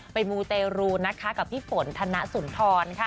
มูเตรูนะคะกับพี่ฝนธนสุนทรค่ะ